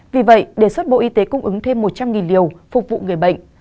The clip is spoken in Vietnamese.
vì vậy đề xuất bộ y tế cung ứng thêm một trăm linh liều phục vụ người bệnh